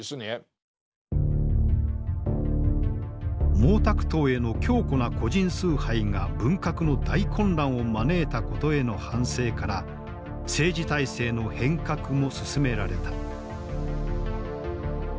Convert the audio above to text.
毛沢東への強固な個人崇拝が文革の大混乱を招いたことへの反省から政治体制の変革も進められた。